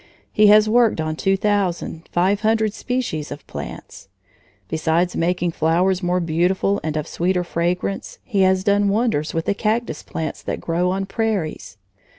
He has worked on two thousand, five hundred species of plants. Besides making flowers more beautiful and of sweeter fragrance, he has done wonders with the cactus plants that grow on prairies.